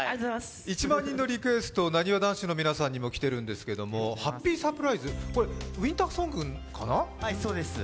１万人のリクエスト、なにわ男子の皆さんにも来てるんですけど「ハッピーサプライズ」、これはウインターソングかな？